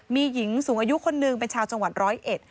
มีหญิงสูงอายุคนหนึ่งเป็นชาวจังหวัดร้อยเอ็ด